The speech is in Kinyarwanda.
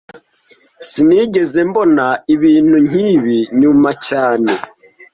Sinigeze mbona ibintu nkibi nyuma cyane